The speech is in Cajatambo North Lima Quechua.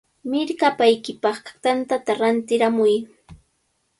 ¡Mirkapaykipaq tantata rantiramuy!